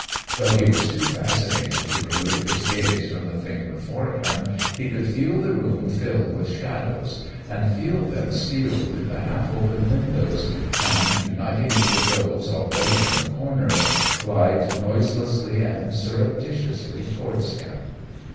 Though he was too fascinated to remove his gaze from the thing before him, he could feel the room fill with shadows, and feel them steal through the half open windows, and, uniting with those already in the corners, glide noiselessly and surreptitiously towards him.